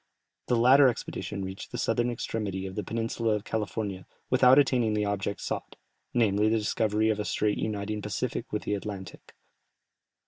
The latter expedition reached the southern extremity of the peninsula of California without attaining the object sought, namely the discovery of a strait uniting the Pacific with the Atlantic.